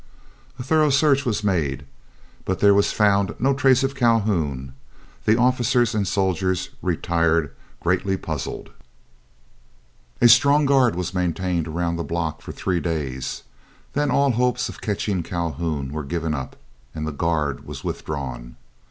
A thorough search was made, but there was found no trace of Calhoun. The officers and soldiers retired greatly puzzled. A strong guard was maintained around the block for three days; then all hopes of catching Calhoun were given up, and the guard was withdrawn.